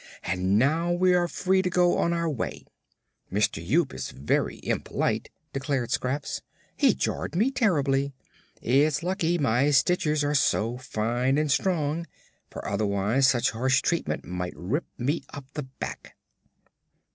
"And now we are free to go on our way." "Mister Yoop is very impolite," declared Scraps. "He jarred me terribly. It's lucky my stitches are so fine and strong, for otherwise such harsh treatment might rip me up the back."